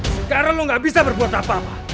sekarang lo gak bisa berbuat apa apa